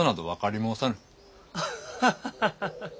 アハハハ！